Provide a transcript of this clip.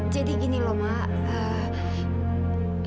jadi gini loh mak